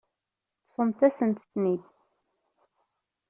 Teṭṭfemt-asent-ten-id.